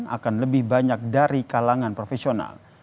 akan lebih banyak dari kalangan profesional